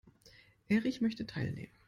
Erich möchte teilnehmen.